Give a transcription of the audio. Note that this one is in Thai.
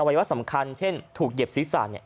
วัยวะสำคัญเช่นถูกเหยียบศีรษะ